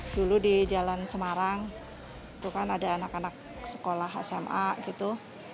dulu di jalan semarang itu kan ada anak anak sekolah sma gitu